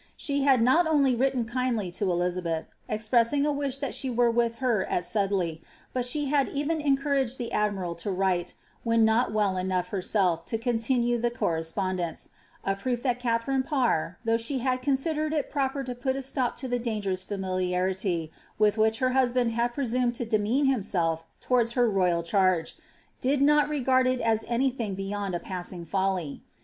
She had not only written kindly to Elizabeth, expressinf a wish that she were with her at Sudley, but she had even encouraged the admiral to write, when not well enough herself to continue the com spondence — a proof that Katharine Parr, though she had considered it proper to put a stop to the dangerous familiarity, Vith which her hus band had presumed to demean himself towards her royal charge, did not regard it as any thing beyond a passing folly.